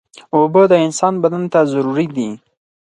اوبه د انسان بدن ته ضروري دي.